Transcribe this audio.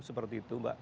seperti itu mbak